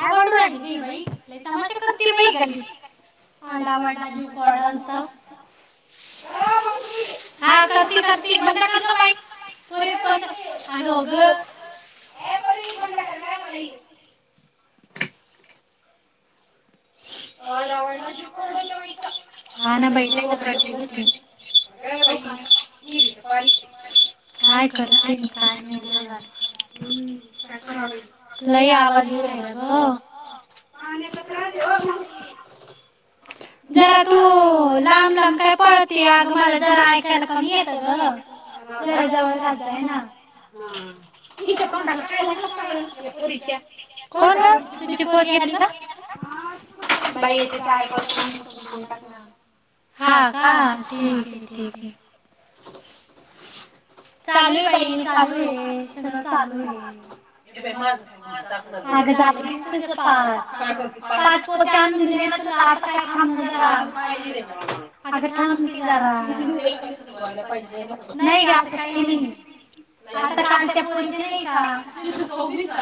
काय वरडू राहिली ग हि बाई, लई तमाशा करती बाई गल्लीत आरडा-ओरडा जीव कोरडा नुसत ए बई जी वाडा असत हा करतो करती बंद कर जी बाई करते करते ब माहि अ ए पोरी. [unintelligible] ग बाई आरडा ओरडा जीव कोरडा नव इथं. हां ना बई काय ओरडते ग ती. अगं बाई. काय करते नी काय नाही देव जाणे. [unintelligible] लय आवाज येऊ राहिला गं. [unintelligible] [inaudible] जरा तू लांब लांब काय पळती आगं मला जरा ऐकायला कमी येते ग, जर जवळ रात जा हेना हां कोण ग तुझी पोरगी आली का? हां का, ठीके फिके. चालू हे बाई चलू हे सगळं चालू हे त पाच पाच पोत्या आणून दिले ना तुला आता काय थांब जरा अग थांब क जरा नाही ग आस् काही नाही आता कालच्या पोरीचे नाही आहे का चौस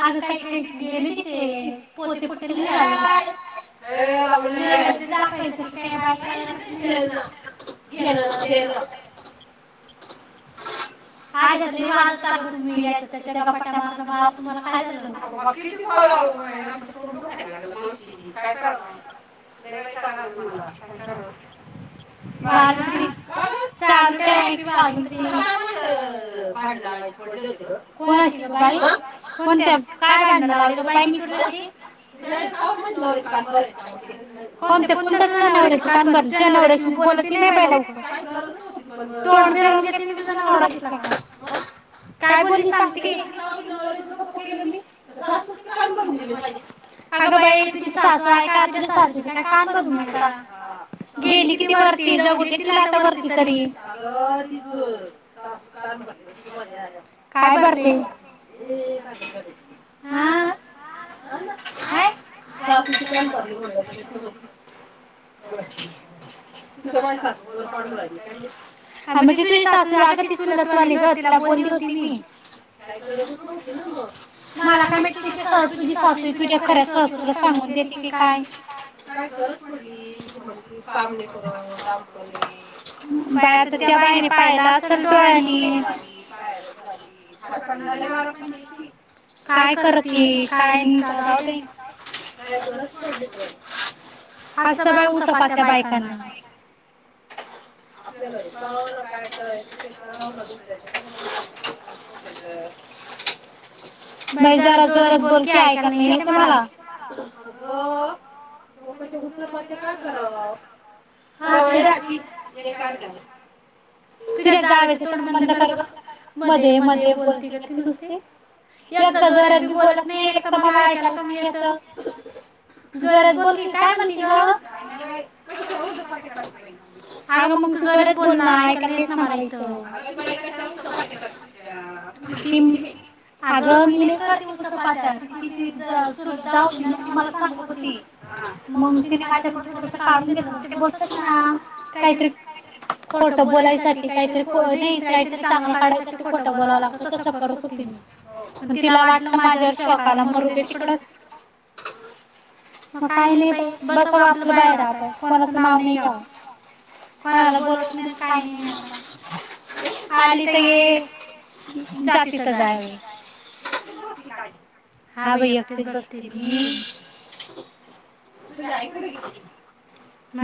आता काही काही गेल तिथे पोते फुटेल नाही झा दाच क कॅब घ आजात लय वाजता ग तुम्ही याच्या त्याच्या गपाटा मार्ग म आज तुम्हाला काय झालं? अबाबा किती बोलावं आमचं तोंड दूखाय लागलं मावशी काय कराव? लय वैताग आला मला काय करावं? चालू ठेवाय तुला काय बोललं भांडं लावायचं खोडलं होतं ग. कोणाशी ग बाई? कोणत्या काय भांडं लावलं ग बाई मी तुझ्याशी? [unintelligible] कोणत्या कोणत्या तुझ्या नवऱ्याशी कान धरले तुझ्या नवऱ्याशी बोलत नाही मी लवकर. फिरून घेते मी तुझा नवरा दिसला का. काय बोलली सांगते की. [unintelligible] अगं बाई तुझी सासू आहे का तुझ्या सासूची काय कान भरू मी आता. गेली किती वरती जगू दे तिला आता वरती तरी. [unintelligible] काय भरले? हां. [unintelligible] म्हणजे तुझी सासू अगं ती चुलतवाली गं तिला बोलली होती मी. [unintelligible] मला काई माहीत तुझी सास तुझी ए तुझ्या खऱ्या सासूला सांगून देते की काय? [unintelligible] बया तर त्या बाईने पाहिलं असल डोळ्यांनी. [unintelligible] काय करती काय नई त जाऊदे. [unintelligible] असता बाई उचापत्या बायकांना. [unintelligible] [unintelligible] बाई जरा जोरात बोलकी ऐकायला नाहीयेते मला. अगं लोकाच्या उचापत्या का कराव? सवय राहती एखाद्याला. तुझ्या जावेचं तोड बंद कर गं. मध्ये मध्ये बोलती गं ती नुसती. एकता जोरात बी बोलत नाही, एकत मला ऐकायला कमी येतं. जोरात बोलकी काय मनती गं? काय नाही बाई कशाला उचापात्या करती बाई तू? आगं मंग तू जोरात बोल ना ऐकायला येत ना मला इथं. अगं ती बाई कशाला उचापत्या करती तुझ्या. असं म्हणतील अगं मी नाही करते उचपात्या. तिची ती चुलत जाव होती ना ती मला सांगत होती मग तिने माझ्याकडून थोडस काढून घेतलं. ते बोलतात ना काहीतरी खोट बोलायसाठी काहीतरी नाही काहीतरी चांगलं काढायसाठी खोटं बोलावं लागतं. तसं करत होती मी. हो, पण तिला वाटलं माझ्यावर शकाला मरुदे तिकडं. मग काही नाई बाई बसावं आपलं बाहेर आता. कोणाचं नाव नाही घ्यावं. कोणाला बोलत ना काय नई म आता. आली त ये जाती त जा बई. एकटेच बसती का गं? हां बई एकटीच बसते मी. तुझी आई कुठं गेली?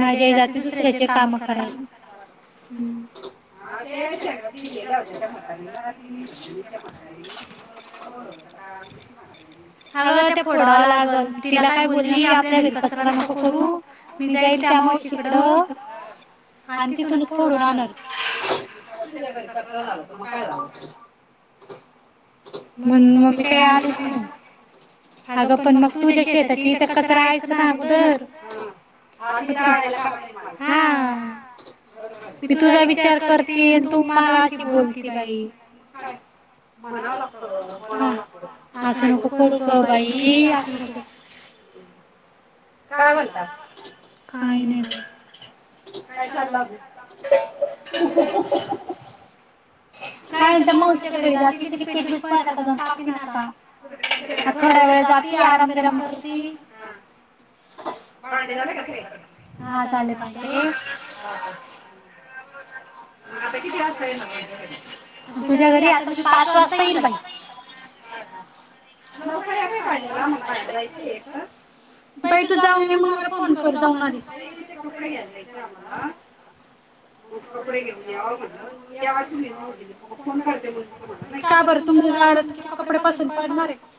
माझी आई जाते दुसऱ्याचे कामं करायला. [unintelligible] अगं त्या फोडावा लागन. तिला काय बोलली, आपल्या घरी कचरा नको करू. मी जाईल त्या माऊशीकडं. आण् तिथून कडून आणल. तुज्या घरी कचरा झाला त म काय [unintelligible] म्हणून मी काय आलीच नाही. आगं पण मग तुझ्या शेताच्या इथं कचरा आहेच ना अगोदर. हां ते जाळायाला कामा येल मला. हां. बर बर. मी तुझा विचार करती, आण् तू मला अशी बोलती बाई? मग काय? म्हणावं लागतं, बोलावं लागतं. असं नको करू गं बाई असं नको. काय म्हणता? काय नाई बाई. काय चालला अभी? काय त मावशीच्या घरी जाती [unintelligible] ना आता. थोडा वेळ जाती, आराम बिराम करती. हां, भांडी झाले का सगळे? हां झाले बाई. तुझ्या घरी आता त पाच वाजता येईल बाई तू जाऊन ये मग मला फोन कर जाऊन आ ह मग कपडे घेऊन यावा म्हण यावा तुम्ही म फोन करते म्हणून तुम्हाला का बरं तुम जायला तुमचे कपडे पसंत पडणार आहे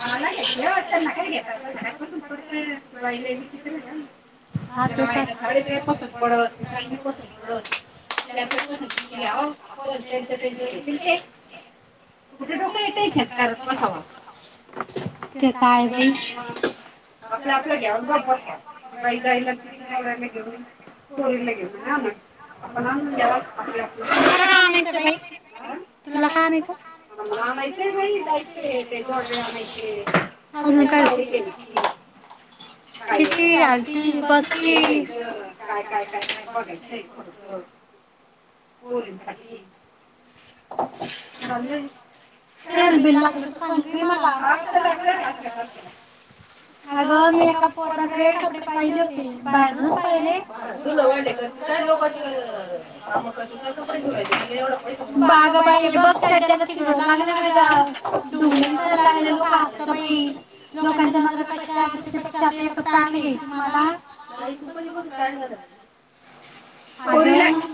मला त्यां का घ पस पड्र ह ास पडत पस पडत आप आपल्या पस घ्यावा आपण त्यां त्यां येतील कुठे डोक तेकार बसावा काय बा आप आपलं घ्या ब ब होवा चरीे आपण आण तु काय आणायचंई तुला काय आणायचंला आणायचंयचंड आणय क घालती बक्षी काय काय बघायचं आहे थोडं पोरींसाठी चाललंय सेल बिल लागला तर सांग काय मला हा आता लागणार आहे अकरा तारखेला अगं मी एका पोराकडे कपडे पाहिले होते ते बाहेर हिलेु ल बाग बाई बघ त्याला तिघळ लागले माझ डुंगस लागले लोक असत बाई लोकांच्या नजरा कशा त्याच्यापेक्षा आ ताण घ्यायची मला नाही ा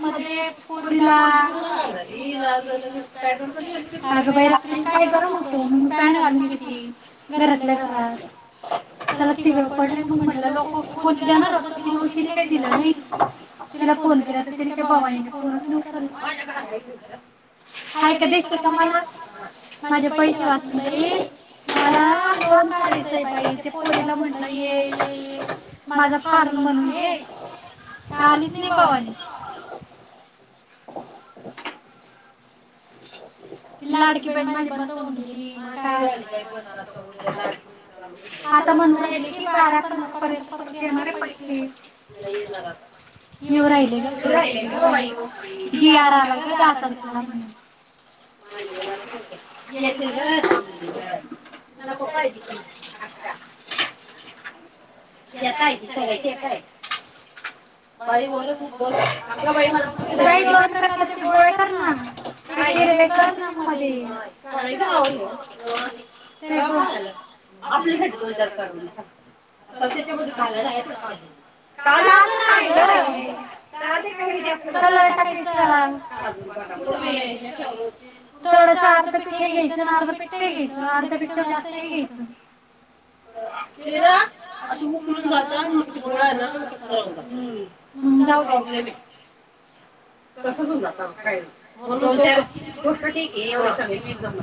मध्ये पोरीला अगं बाई रा काय कर नतो मग मी पॅ्ट घालून घेते घरातल्या घरात त्याला तघड पडले मग म्हणलं लोक देणार होते तिला उशीने काय दिलं नाही तिला फोन केला तर तने काय बावानी फोनच नुकसाल हय का दित का मला माझे पैसे वाचून मला लोन काढायचंय बाई ते पोरीला म्हंटलं ये फॉर्म भरून घे पण आलीच नाही भवानी लाडकी बहिण माझी बंद होऊन गेली काय आता म्हणून राहिले कि बारा पंधरा पर्यंत परत येणार आहे पैसे येऊ राहिले ग जियार आला ग दहा तारखेला म्हणून ता सगळ्याची य बई दोन प्रकारचे गोळ करणार हिरवे करणा मध्ये काजू नाही गं कलर टाकायचा थोडंस अर्ध पीठ हे घ्यायचं अर्ध पीठ ते घ्यायचं अर्ध्या पेक्षा जास्त हे घ्यायचं जिरा असं ऊकलून जातं मग ते गूळ हेणा वितळून जातो जाऊदे हा प्रॉब्लेम आहे. दोन चार गोष्टी ठीक आहे एवढं सगळं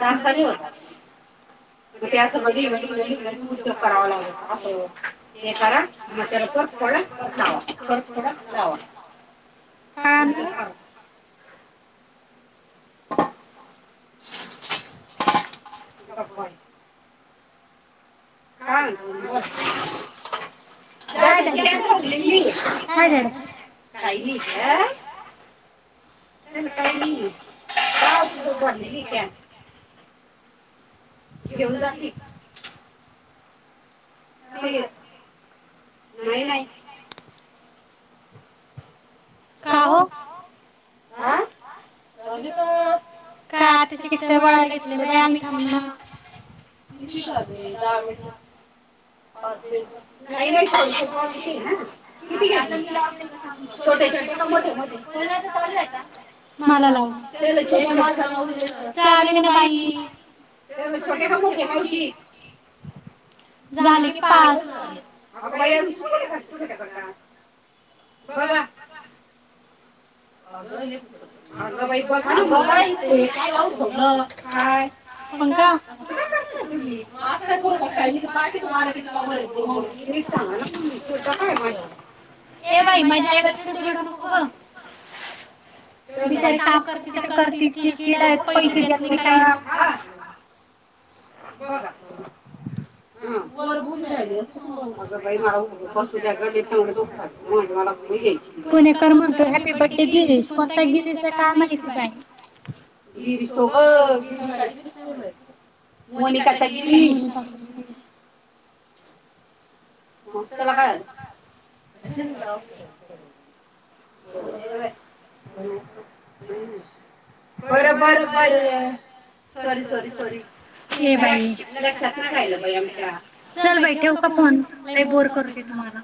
जास्त नाही होतं ते असं घडी घडी घडी घडी उद्योग करावा लागतं असंहे करा मग त्याला परत फोडा लावा परत फोडा लावा [unintelligible] काय म्हणता मॅडम बोला झालं ची क्यान भरलेली काही नाही काही नाही का भरलेली क्यान घेऊन जा ती ते नाही नाही का हो ह् झाली का काय आता शिकता बाळाला घेतलं बाई आली. थांब ना किती झालं दहा मिनिटं नाही नाही थोडेशे आहे ना छोटे छोटे मोठे मोठे मला लावं चाललेलं बाकी त्याला छोटे कि मोठे झाले की पाच बघा बघा. अगं हे अगं बाई बघ ह् इथं हे काय लावून ठेवलं काय. पंखा असं काय करता तूम्ही मग असं काय करू तूम्ही माहिती आहे कि तूम्हाला किती काम आहे. ते निट सांगा ना तूम्ही चिडता का माझ्यावर ये बाई माझ्या आईवर चिडूबिडू नको गं बिचारी काम करते. तर करती चिडचिडा पैसे देत नाही. काही नाही बघा. हा वर उभं राहिली असती तर मग बघा अगं बाई मला बसू दया गं लई तगडं दुखतात माझी मला गोळी खायची. आहे पुढं घ्यायची तो निखार म्हणतोय. हॅप्पी बर्थडे गिरीश कोणता गिरीश आहे काय माहित बाय. गिरीश तो गं गिरीश मोनिकाचा गिरीश [unintelligible] मग तेला काय झालं. [inaudible] बर बर सॉरी सॉरी सॉरी लक्षात नाही. राहिल आमच्या चल बाई ठेवू का फोन लई बोल करतेतू मला